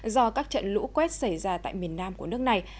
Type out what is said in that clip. do các trận lũ quét xảy ra tại miền nam của nước này